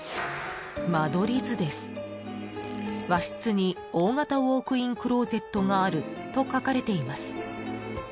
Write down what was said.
［「和室に大型ウォークインクローゼットがある」と書かれています］